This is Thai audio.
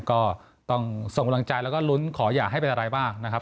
ก็ต้องส่งกำลังใจแล้วก็ลุ้นขออย่าให้เป็นอะไรบ้างนะครับ